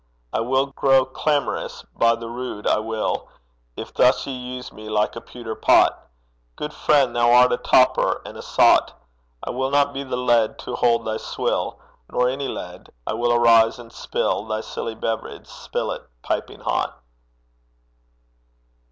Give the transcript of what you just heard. I will grow clamorous by the rood, I will, If thus ye use me like a pewter pot. Good friend, thou art a toper and a sot I will not be the lead to hold thy swill, Nor any lead: I will arise and spill Thy silly beverage, spill it piping hot.